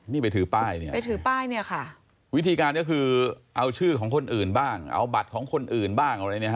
นี่ไปถือป้ายเนี่ยวิธีการก็คือเอาชื่อของคนอื่นบ้างเอาบัตรของคนอื่นบ้าง